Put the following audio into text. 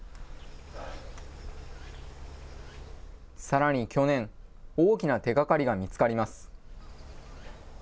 さらに去年、大きな手がかりが見つかります。